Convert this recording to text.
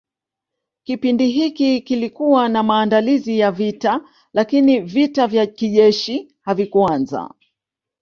Kipindi hiki kilikuwa na maandalizi ya vita lakini vita vya kijeshi havikuanza